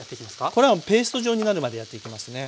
これはペースト状になるまでやっていきますね。